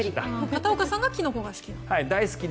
片岡さんがキノコが好き？